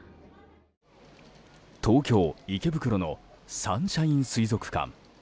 東京・池袋のサンシャイン水族館。